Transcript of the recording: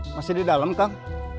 masih di dalam kang